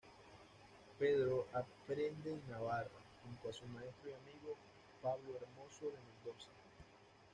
Pedro aprende en Navarra, junto a su maestro y amigo Pablo Hermoso de Mendoza.